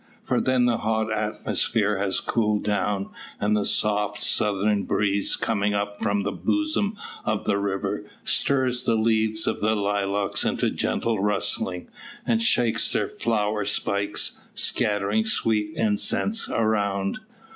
For then the hot atmosphere has cooled down, and the soft southern breeze coming up from the bosom of the river, stirs the leaves of the lilacs into gentle rustling, and shakes their flower spikes, scattering sweet incense around.